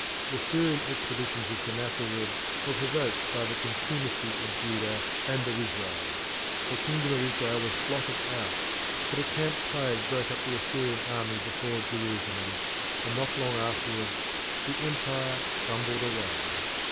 The Syrian expeditions of Sennacherib were provoked by the contumacy of Judah and of Israel. The kingdom of Israel was blotted out, but a camp plague broke up the Assyrian army before Jerusalem, and not long afterwards the empire crumbled away.